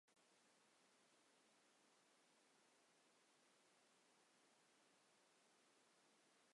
কিন্তু শেষ পর্যন্ত তিনি প্রাগে গণিতের শিক্ষক হিসেবে চাকরি পান।